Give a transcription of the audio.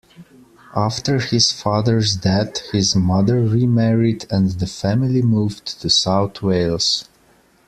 After his father's death, his mother remarried and the family moved to South Wales.